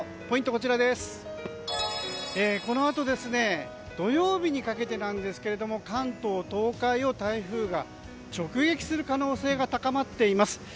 このあと土曜日にかけてなんですが関東・東海を台風が直撃する可能性が高まっています。